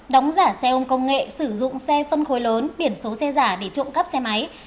đóng giả xe ôm công nghệ sử dụng xe phân khối lớn biển số xe giả để trộm cắp xe máy